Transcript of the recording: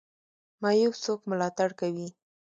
معیوب څوک ملاتړ کوي؟